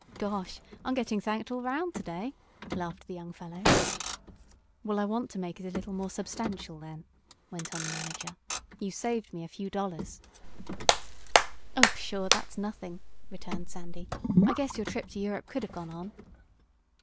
"Gosh! I'm getting thanked all around to day!" laughed the young fellow. "Well, I want to make it a little more substantial, then," went on the manager. "You saved me a few dollars." "Oh, pshaw, that's nothing!" returned Sandy. "I guess your trip to Europe could have gone on."